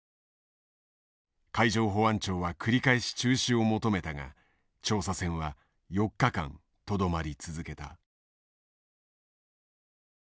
海上保安庁は繰り返し中止を求めたが調査船は４日間とどまり続けた。